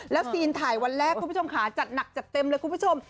ซีนถ่ายวันแรกคุณผู้ชมค่ะจัดหนักจัดเต็มเลยคุณผู้ชม